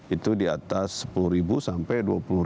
itu diatas sepuluh sampai dua puluh